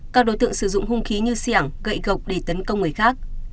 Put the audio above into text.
các đối tượng sử dụng hung khí như xiảng gậy gọc để tấn công người khác